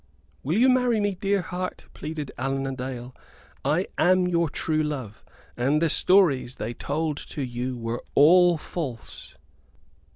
"Will you marry me, dear heart?" pleaded Allan a Dale. "I am your true love, and the stories they told to you were all false."